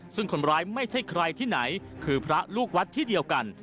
ซึ่งคนร้ายไม่ใช่ใครที่ไหนคือพระลูกวัดที่เดียวกัน